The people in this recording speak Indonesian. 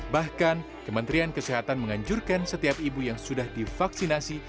bahkan kementerian kesehatan menganjurkan setiap ibu yang sudah divaksinasi